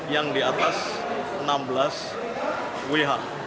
yang di atas enam belas wh